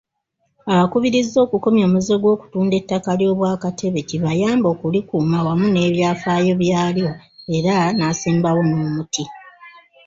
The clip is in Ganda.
Abakubirizza okukomya omuze gw'okutunda ettaka ly'Obwakatebe kibayambe okulikuuma wamu n'ebyafaayo byalyo era n'asimbawo n'omuti.